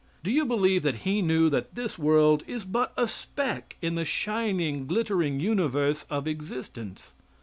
Do you believe that he knew that this world is but a speck in the shining, glittering universe of existence?